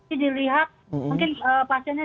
ini dilihat mungkin pasiennya